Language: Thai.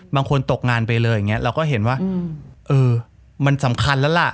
ตกงานไปเลยอย่างนี้เราก็เห็นว่าเออมันสำคัญแล้วล่ะ